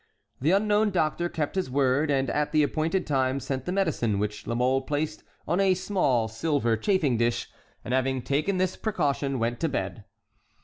The unknown doctor kept his word, and at the appointed time sent the medicine, which La Mole placed on a small silver chafing dish, and having taken this precaution, went to bed.